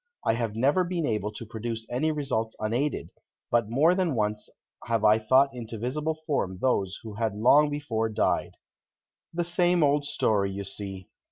I have never been able to produce any results unaided, but more than once have I thought into visible form those who had long before died." The same old story you see.